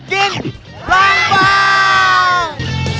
กินล้างบาง